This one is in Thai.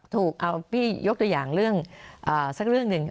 ถูกเอาพี่ยกตัวอย่างเรื่องสักเรื่องหนึ่ง